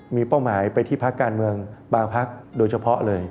มีเป้าหมายไปที่พักการเมืองบางพักโดยเฉพาะเลย